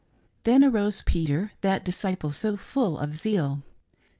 Then arose Peter, that disciple so full of zeal.